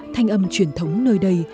thanh âm truyền thống nơi đây